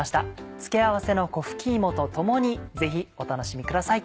付け合わせの粉吹き芋と共にぜひお楽しみください。